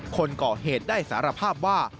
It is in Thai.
คนก่อเหตุได้สารภาพว่า